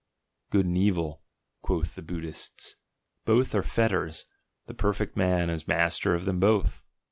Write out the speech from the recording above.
"Good and Evil," quoth the Buddhists, "both are fetters. The perfect man is master of them both."